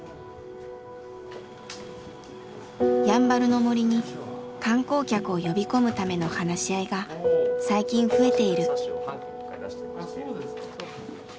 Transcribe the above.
やんばるの森に観光客を呼び込むための話し合いが最近増えている。